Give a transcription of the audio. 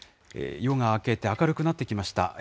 夜が明けて明るくなってきました。